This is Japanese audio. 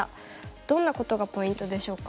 どんなことがポイントでしょうか。